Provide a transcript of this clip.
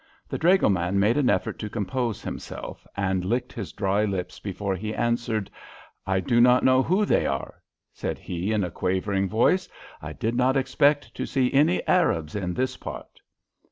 The dragoman made an effort to compose himself, and licked his dry lips before he answered. "I do not know who they are," said he, in a quavering voice. "I did not expect to see any Arabs in this part."